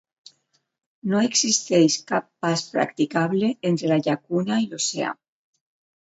No existeix cap pas practicable entre la llacuna i l'oceà.